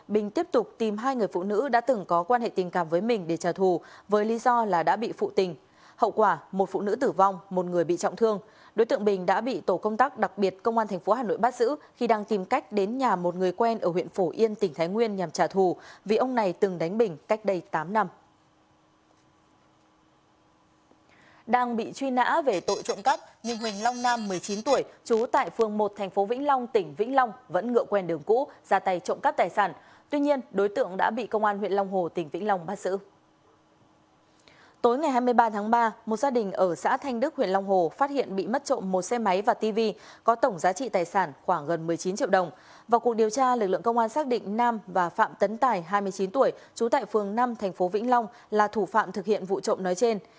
điều tra lực lượng công an xác định nam và phạm tấn tài hai mươi chín tuổi trú tại phường năm tp vĩnh long là thủ phạm thực hiện vụ trộm nói trên